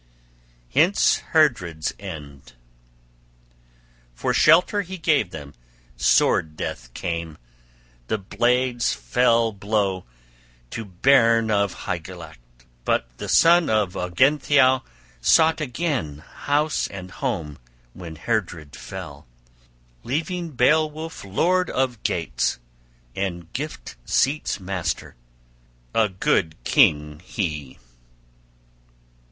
{31c} Hence Heardred's end. For shelter he gave them, sword death came, the blade's fell blow, to bairn of Hygelac; but the son of Ongentheow sought again house and home when Heardred fell, leaving Beowulf lord of Geats and gift seat's master. A good king he!